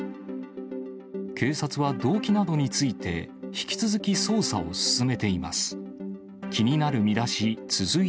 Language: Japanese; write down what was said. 警察は動機などについて、引き続き捜査を進めています。